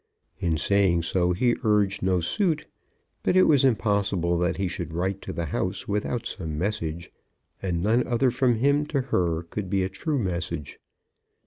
In saying so he urged no suit; but it was impossible that he should write to the house without some message, and none other from him to her could be a true message.